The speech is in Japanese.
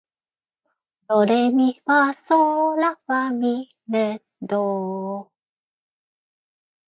ドレミファソーラファ、ミ、レ、ドー